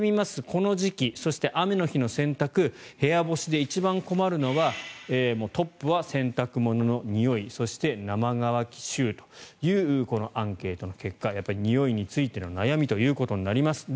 この時期、雨の日の洗濯部屋干しで一番困るのはトップは洗濯物のにおいそして生乾き臭というアンケートの結果においについての悩みということになります。